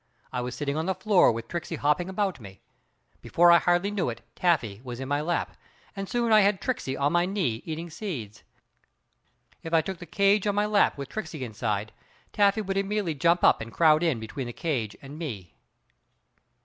I was sitting on the floor with Tricksey hopping about me. Before I hardly knew it Taffy was in my lap, and soon I had Tricksey on my knee eating seeds. If I took the cage on my lap with Tricksey inside Taffy would immediately jump up and crowd in between the cage and me.